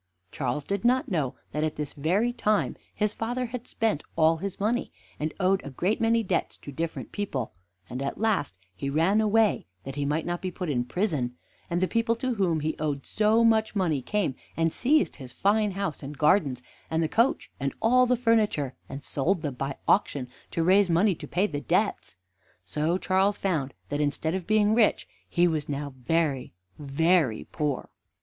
Charles did not know that at this very time his father had spent all his money, and owed a great many debts to different people; and at last he ran away that he might not be put in prison; and the people to whom he owed so much money came and seized his fine house and gardens, and the coach, and all the furniture, and sold them by auction, to raise money to pay the debts; so Charles found that, instead of being rich, he was now very, very poor.